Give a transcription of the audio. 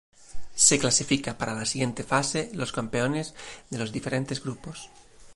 Se clasifica para la siguiente fase los campeones de los diferentes grupos.